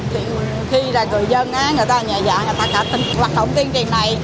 thì khi là người dân người ta nhẹ dọn người ta cả tính hoạt động tuyên truyền này